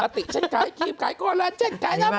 ปกติฉันขายครีมขายก้อนละฉันขายน้ำ